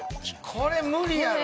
これ無理やろ。